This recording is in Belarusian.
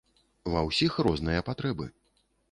Ва ўсіх розныя патрэбы.